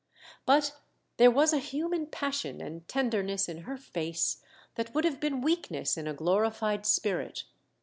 '* But there was a human passion and tenderness in her face that would have been weakness in a glorified spirit.